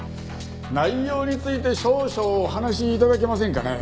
内容について少々お話し頂けませんかね？